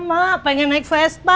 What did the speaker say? mak pengen naik vespa katanya